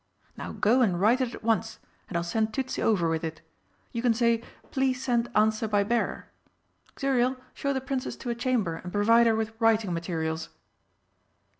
Now go and write it at once, and I'll send Tützi over with it. You can say, 'Please send answer by bearer!' Xuriel, show the Princess to a chamber and provide her with writing materials."